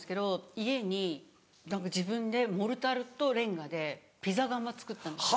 家に何か自分でモルタルとれんがでピザ窯作ったんですよ。